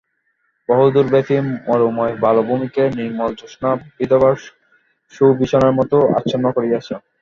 বহুদূরব্যাপী মরুময় বালুভূমিকে নির্মল জ্যোৎস্না বিধবার শুবিসনের মতো আচ্ছন্ন করিয়াছে।